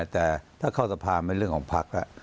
แต่ถ้าเข้าทภาเป็นเรื่องของพรรคล่ะ